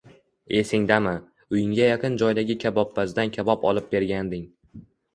Esingdami, uyingga yaqin joydagi kabobpazdan kabob olib berganding